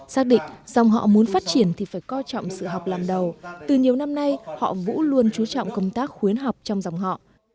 xác định dòng họ muốn phát triển thì phải coi trọng sự học làm đầu từ nhiều năm nay họ vũ luôn chú trọng công tác khuyến học trong dòng họ